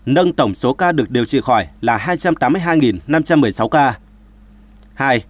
nâng tổng số ca được điều trị khỏi là hai trăm tám mươi hai năm trăm một mươi sáu ca